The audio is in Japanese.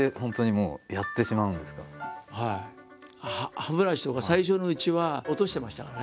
歯ブラシとか最初のうちは落としてましたからね。